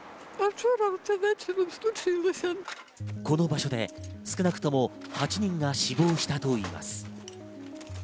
この場所で少なくとも８人が死亡したといいます。